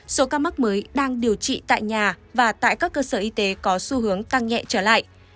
số ca mắc mới đang điều trị tại nhà và tại các cơ sở y tế có xu hướng tăng nhẹ trở lại